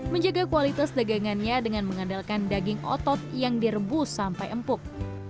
menjaga kualitas dagangannya dengan mengandalkan daging otot yang direbus sampai empuk